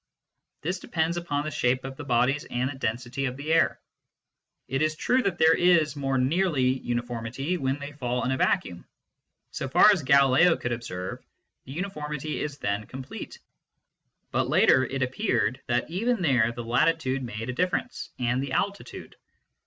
This depends upon the shape of the bodies and the density of the air. It is true that there is more nearly uniformity when they fall in a vacuum ; so far as Galileo could observe, the uniformity is then com plete. But later it appeared that even there the latitude made a difference, and the altitude.